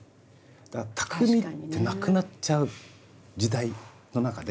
だから匠ってなくなっちゃう時代の中で。